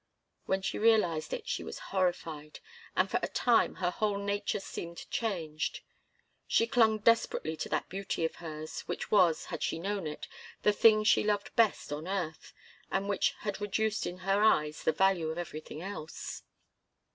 When she realized it, she was horrified, and for a time her whole nature seemed changed. She clung desperately to that beauty of hers, which was, had she known it, the thing she loved best on earth, and which had reduced in her eyes the value of everything else.